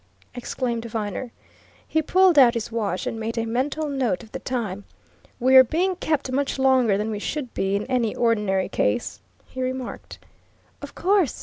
exclaimed Viner. He pulled out his watch and made a mental note of the time. "We're being kept much longer than we should be in any ordinary case," he remarked. "Of course!"